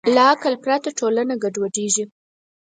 له عقل پرته ټولنه ګډوډېږي.